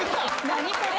何これ。